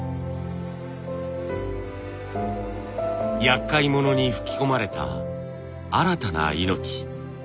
やっかい者に吹き込まれた新たな命。